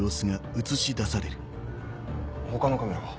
他のカメラは？